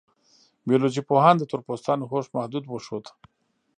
بیولوژي پوهانو د تور پوستانو هوښ محدود وښود.